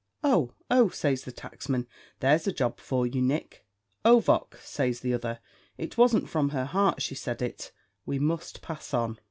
"Oh, oh," says the taxman, "there's a job for you, Nick." "Ovock," says the other, "it wasn't from her heart she said it; we must pass on."